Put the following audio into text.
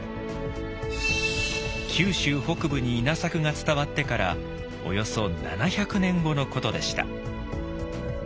九州北部に稲作が伝わってからおよそ７００年後のことでした。